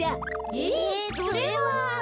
えそれは。